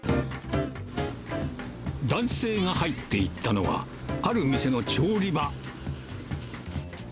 男性が入っていったのは、ある店の調理場。